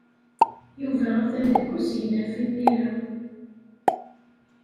Yuba atan deg usegnaf imir-a.